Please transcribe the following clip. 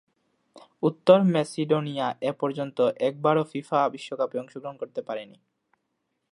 উত্তর মেসিডোনিয়া এপর্যন্ত একবারও ফিফা বিশ্বকাপে অংশগ্রহণ করতে পারেনি।